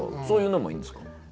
そういうのもいいんですか？